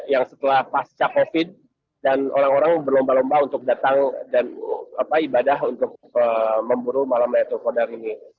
yang setelah pasca covid dan orang orang berlomba lomba untuk datang dan ibadah untuk memburu malam laylatul qadar ini